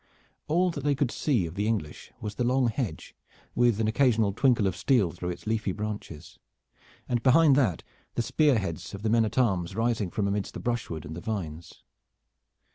All that they could see of the English was the long hedge, with an occasional twinkle of steel through its leafy branches, and behind that the spear heads of the men at arms rising from amidst the brushwood and the vines.